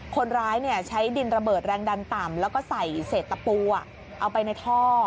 คนร้ายใช้ดินระเบิดแรงดันต่ำแล้วก็ใส่เศษตะปูเอาไปในท่อ